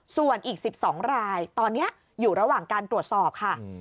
ส่วนอีก๑๒รายตอนนี้อยู่ระหว่างการตรวจสอบค่ะ